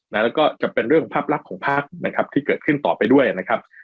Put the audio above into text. แล้วก็จะเป็นเรื่องของภาพลักษณ์ของภาคนะครับที่เกิดขึ้นต่อไปด้วยนะครับ